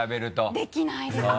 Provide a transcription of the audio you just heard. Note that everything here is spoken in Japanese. できないですね。